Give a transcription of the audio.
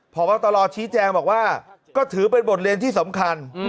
พบตรชี้แจงบอกว่าก็ถือเป็นบทเรียนที่สำคัญ